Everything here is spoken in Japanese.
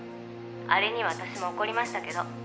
「あれには私も怒りましたけど」